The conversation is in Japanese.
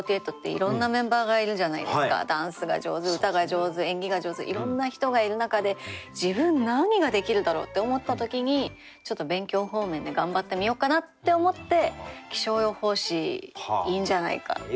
ダンスが上手歌が上手演技が上手いろんな人がいる中で自分何ができるだろうって思った時にちょっと勉強方面で頑張ってみようかなって思って気象予報士いいんじゃないかって。